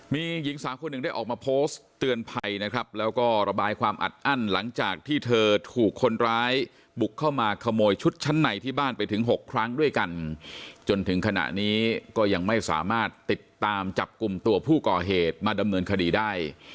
มีหญิงสาวคนหนึ่งได้ออกมาโพสต์เตือนภัยนะครับแล้วก็ระบายความอัดอั้นหลังจากที่เธอถูกคนร้ายบุกเข้ามาขโมยชุดชั้นในที่บ้านไปถึง๖ครั้งด้วยกันจนถึงขณะนี้ก็ยังไม่สามารถติดตามจับกลุ่มตัวผู้ก่อเหตุมาดำเนินคดีได้